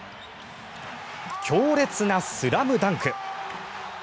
強烈なスラムダンク！